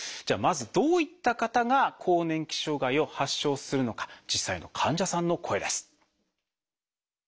じゃあまずどういった方が更年期障害を発症するのか実際の患者さんの声です。